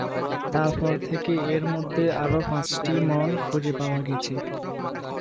তারপর থেকে এর মধ্যে আরও পাঁচটি মান খুঁজে পাওয়া গেছে।